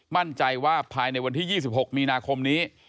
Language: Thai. มั่นใจว่าภายในวันที่๒๖มีนาคมนี้